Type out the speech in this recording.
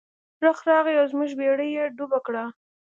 رخ راغی او زموږ بیړۍ یې ډوبه کړه.